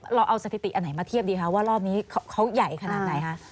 เราเอาสถิติอันไหนมาเทียบดีคะว่ารอบนี้เขาใหญ่ขนาดไหนคะ